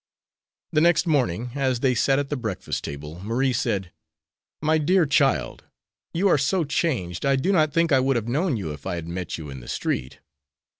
The next morning, as they sat at the breakfast table, Marie said: "My dear child, you are so changed I do not think I would have known you if I had met you in the street!"